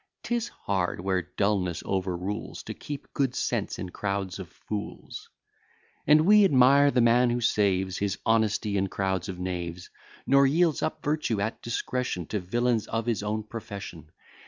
'Tis hard, where dulness overrules, To keep good sense in crowds of fools. And we admire the man, who saves His honesty in crowds of knaves; Nor yields up virtue at discretion, To villains of his own profession.